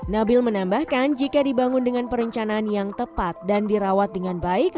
nabil menambahkan jika dibangun dengan perencanaan yang tepat dan dirawat dengan baik